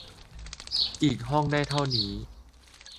อีกห้องได้เท่านี้